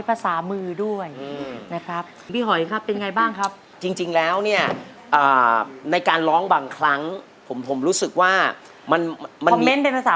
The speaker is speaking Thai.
เพราะว่ากลัวจะเสียน้ำตา